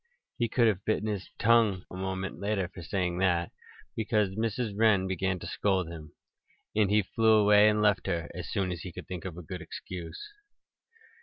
He could have bitten his tongue a moment later for saying that, because Mrs. Wren began to scold him. And he flew away and left her as soon as he could think of a good excuse.